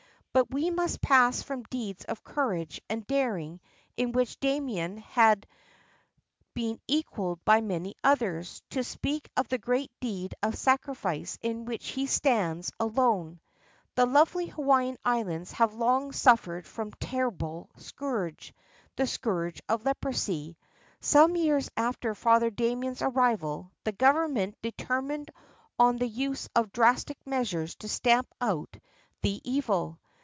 But we must pass from deeds of courage and daring in which Damien has been equaled by many others, to speak of the great deed of sacrifice in which he stands alone. The lovely Hawaiian Islands have long suffered from a terrible scourge, the scourge of leprosy. Some years after Father Damien's arrival the Government de termined on the use of drastic measures to stamp out the evil.